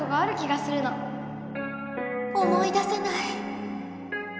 思い出せない。